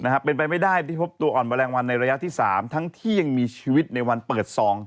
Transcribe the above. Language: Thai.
หลายยังมีชีวิตในวันเปิดซอง